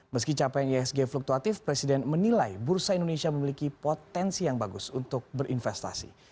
meski capaian ihsg fluktuatif presiden menilai bursa indonesia memiliki potensi yang bagus untuk berinvestasi